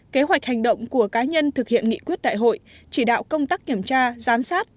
kế hoạch hành động của cá nhân thực hiện nghị quyết đại hội chỉ đạo công tác kiểm tra giám sát